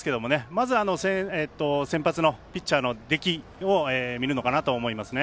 まず、先発のピッチャーのできを見るのかなとは思いますね。